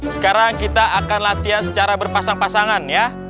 sekarang kita akan latihan secara berpasang pasangan ya